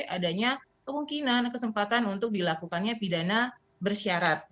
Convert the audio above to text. adanya kemungkinan kesempatan untuk dilakukannya pidana bersyarat